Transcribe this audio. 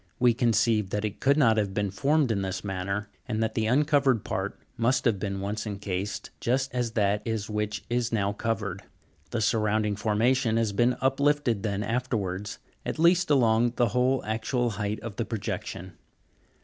203, page 119), we conceive that it could not have formed in this manner, and that the uncovered part, must have been once encased just as that is which is now covered ; the surrounding formation has been uplifted then afterwards, at least along the whole actual height of the projection.